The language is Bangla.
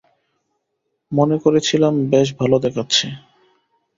মনে করেছিলাম বেশ ভালো দেখাচ্ছে।